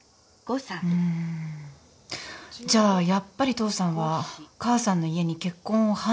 うんじゃやっぱり父さんは母さんの家に結婚を反対されてたってこと？